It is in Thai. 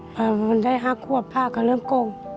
มันได้หักหัวพ่าก็เริ่มกง